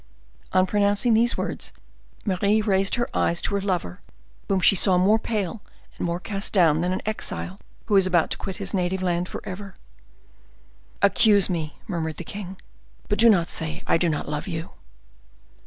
On pronouncing these words, Mary raised her eyes to her lover, whom she saw more pale and more cast down than an exile who is about to quit his native land forever. "Accuse me," murmured the king, "but do not say I do not love you."